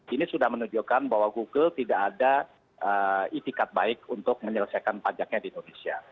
ini sudah menunjukkan bahwa google tidak ada itikat baik untuk menyelesaikan pajaknya di indonesia